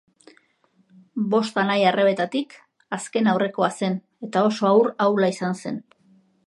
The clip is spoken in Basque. Bost anaia-arrebetatik azken-aurrekoa zen eta oso haur ahula izan zen.